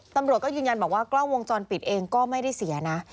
ตำรวจก็ยืนยันบอกว่ากล้องวงจรปิดเองก็ไม่ได้เสียนะ